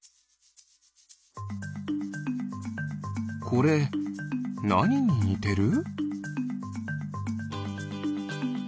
これなにににてる？